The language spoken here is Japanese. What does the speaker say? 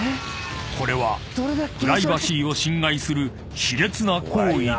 ［これはプライバシーを侵害する卑劣な行為だが］